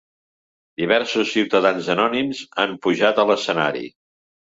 Diversos ciutadans anònims han pujat a l’escenari.